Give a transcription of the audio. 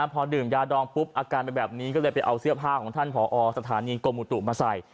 พอดื่มยาดองปุ๊บอาการเป็นแบบนี้ก็เลยไปเอาเสื้อผ้าของท่านผอสถานีกรมอุตุมาใส่